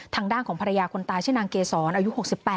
ทางด้านของภรรยาคนตายชื่อนางเกษรอายุ๖๘